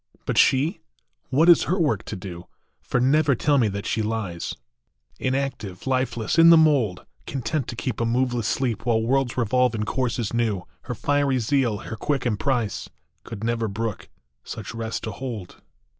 But she ? What is her work to do ? For never tell me that she lies Inactive, lifeless, in the mould, Content to keep a moveless sleep While worlds revolve in courses new. Her fiery zeal, her quick emprise, Could never brook such rest to hold